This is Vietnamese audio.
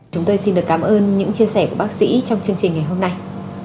chúng tôi xin được cảm ơn những chia sẻ của bác sĩ trong chương trình ngày hôm nay